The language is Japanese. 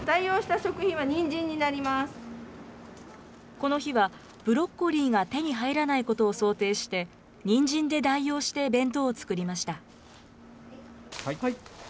この日はブロッコリーが手に入らないことを想定して、にんじんで代用して弁当を作りました。